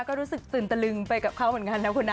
ก็รู้สึกตื่นตะลึงไปกับเขาเหมือนกันนะคุณนะ